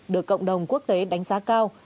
được cộng đồng quốc tế đánh giá cao